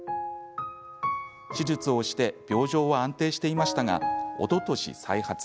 手術をして、病状は安定していましたがおととし再発。